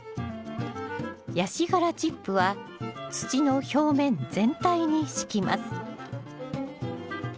ヤシ殻チップは土の表面全体に敷きます